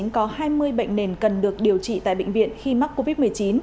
có hai mươi bệnh nền cần được điều trị tại bệnh viện khi mắc covid một mươi chín